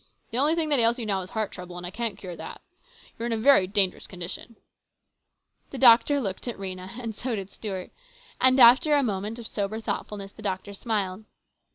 The only thing that ails you now is heart trouble, and I can't cure that. You are in a very dangerous condition." The doctor looked at Rhena and so did Stuart, 252 and after a moment of sober thoughtfulness the doctor smiled.